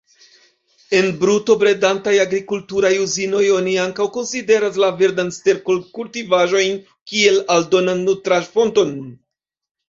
En bruto-bredantaj agrikulturaj uzinoj, oni ankaŭ konsideras la verdan sterko-kultivaĵojn kiel aldonan nutraĵ-fonton.